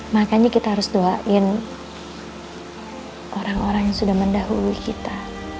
makanya kita harus doain orang orang yang sudah mendahului kita